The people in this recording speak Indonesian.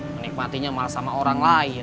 menikmatinya malah sama orang lain